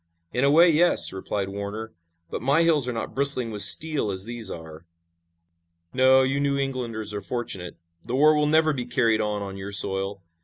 "In a way, yes," replied Warner, "but my hills are not bristling with steel as these are." "No, you New Englanders are fortunate. The war will never be carried on on your soil.